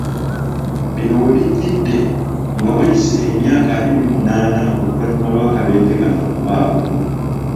Bino we bijjdde nga wayise emyaka abiri mu munaana oluvannyuma lw'akabenje kano okubaawo.